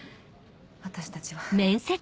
私たちは。